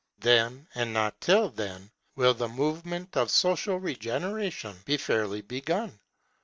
Then, and not till then, will the movement of social regeneration be fairly begun.